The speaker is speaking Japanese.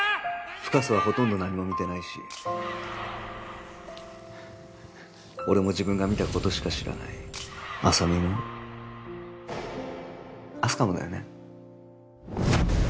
・深瀬はほとんど何も見てないし俺も自分が見たことしか知らない浅見も明日香もだよね？